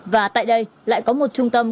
và tại đây lại có một trung tâm